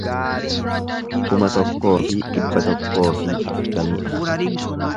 kuma tokkoo fi dhibba tokkoo fi afurtamii afur